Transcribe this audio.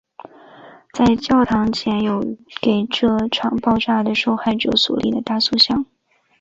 在教堂前有给这场爆炸的受害者所立的大塑像。